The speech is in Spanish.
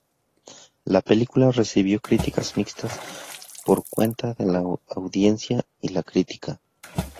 La película recibió críticas mixtas por cuenta de la audiencia y la critica.